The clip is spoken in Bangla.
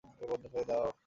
এবার বন্ধ করে দাও!